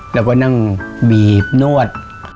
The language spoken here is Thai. แล้วก็นั่งบีบนวด